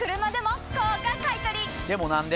でも何で？